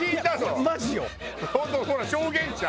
本当ほら証言者。